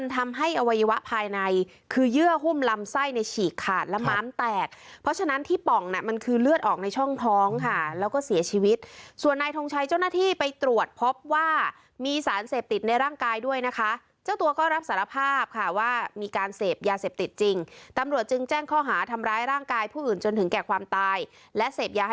ทำให้อวัยวะภายในคือเยื่อหุ้มลำไส้ในฉีกขาดและม้ามแตกเพราะฉะนั้นที่ป่องน่ะมันคือเลือดออกในช่องท้องค่ะแล้วก็เสียชีวิตส่วนนายทงชัยเจ้าหน้าที่ไปตรวจพบว่ามีสารเสพติดในร่างกายด้วยนะคะเจ้าตัวก็รับสารภาพค่ะว่ามีการเสพยาเสพติดจริงตำรวจจึงแจ้งข้อหาทำร้ายร่างกายผู้อื่นจนถึงแก่ความตายและเสพยา